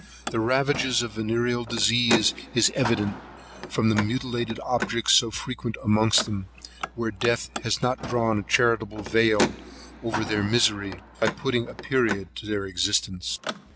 The ravages of the venereal disease is evident, from the mutilated objects so frequent amongst them, where death has not thrown a charitable veil over their misery, by putting a period to their existence.